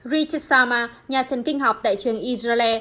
richard salma nhà thần kinh học tại trường israel